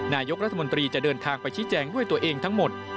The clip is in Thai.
นายกรัฐมนตรีจะเดินทางไปชี้แจงด้วยตัวเองทั้งหมด